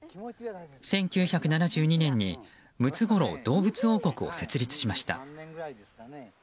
１９７２年にムツゴロウの動物王国を設立しました。